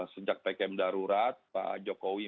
sejak pkm darurat pak jokowi